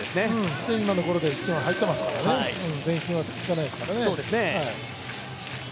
既に今のゴロで１点入ってますからね、前進は効かないですからね。